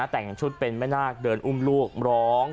แต่งชุดเป็นแม่นาคเดินอุ้มลูกร้อง